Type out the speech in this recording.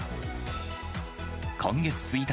今月１日、